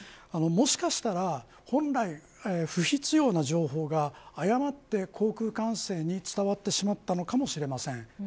もしかしたら本来、不必要な情報が誤って航空管制に伝わってしまったのかもしれません。